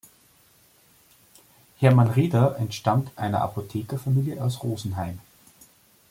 Hermann Rieder entstammt einer Apothekerfamilie aus Rosenheim.